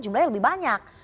jumlahnya lebih banyak